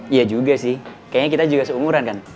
iya juga sih kayaknya kita juga seumuran kan